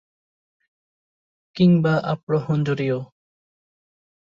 কিংবা আফ্রো-হন্ডুরীয়।